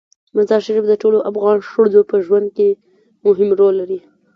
مزارشریف د ټولو افغان ښځو په ژوند کې مهم رول لري.